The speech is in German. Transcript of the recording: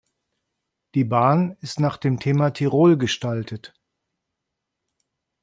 Die Bahn ist nach dem Thema Tirol gestaltet.